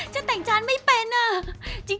ฉันแต่งจานไม่เป็น